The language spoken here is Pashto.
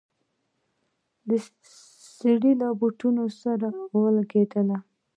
د سړي له بوټ سره ولګېده.